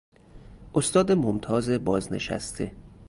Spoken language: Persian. استاد ممتاز بازنشسته